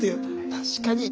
確かに。